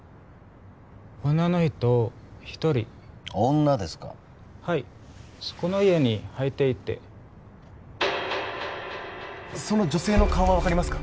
女の人１人女ですかはいそこの家に入っていってその女性の顔は分かりますか？